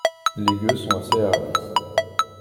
Les gueux sont assez hardis.